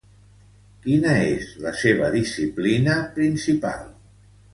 Quina és la seva disciplina principal?